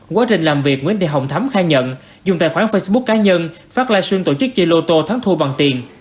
quá trình làm việc nguyễn thị hồng thấm khai nhận dùng tài khoản facebook cá nhân phát livestream tổ chức chơi lô tô thắng thua bằng tiền